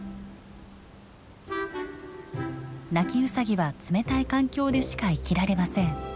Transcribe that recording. ナキウサギは冷たい環境でしか生きられません。